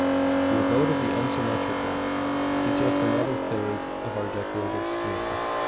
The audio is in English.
The "Abode of the Unsymmetrical" suggests another phase of our decorative scheme.